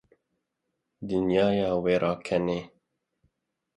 Dinya ya wêrekan e.